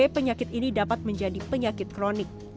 penyakit ini dapat menjadi penyakit kronik